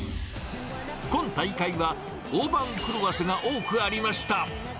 今大会は大番狂わせが多くありました。